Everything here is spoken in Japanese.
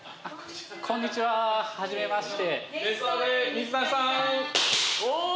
こんにちははじめましてせのおぉ！